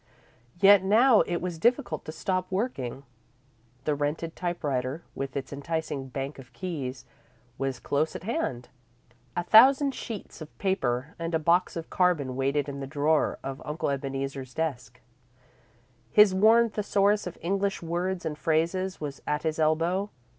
Yet, now, it was difficult to stop working. The rented typewriter, with its enticing bank of keys, was close at hand. A thousand sheets of paper and a box of carbon waited in the drawer of Uncle Ebeneezer's desk. His worn Thesaurus of English Words and Phrases was at his elbow.